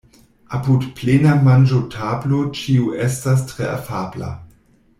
Apud plena manĝotablo ĉiu estas tre afabla.